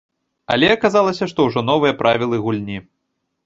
Але аказалася, што ўжо новыя правілы гульні.